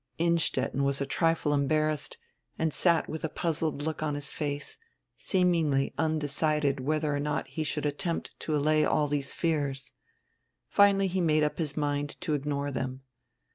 Innstetten was a trifle enrbarrassed and sat widr a puz zled look on his face, seemingly undecided whedrer or not he should attenrpt to allay all drese fears. Finally he nrade up his mind to ignore tirem.